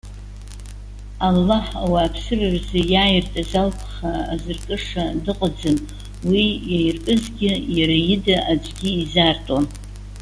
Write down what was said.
Аллаҳ ауааԥсыра рзы иааиртыз алԥха азыркыша дыҟаӡам, уи иаиркызгьы иара ида аӡәгьы изаартуам.